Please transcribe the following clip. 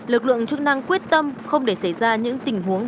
lực lượng chức năng quyết tâm không để xảy ra những tình huống